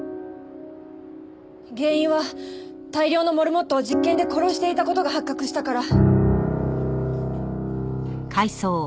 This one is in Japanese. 原因は大量のモルモットを実験で殺していた事が発覚したから。